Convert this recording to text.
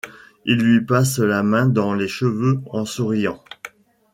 Il lui passe la main dans les cheveux en souriant.